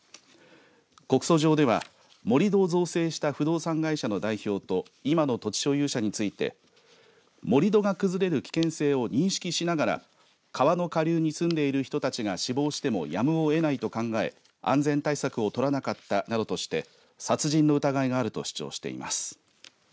告訴状では盛り土を造成した不動産会社の代表と今の土地所有者について盛り土が崩れる危険性を認識しながら川の下流に住んでいる人たちが死亡してもやむをえないと考え安全対策をとらなかったなどとして殺人の疑いがあると主張しています。